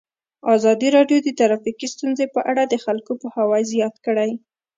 ازادي راډیو د ټرافیکي ستونزې په اړه د خلکو پوهاوی زیات کړی.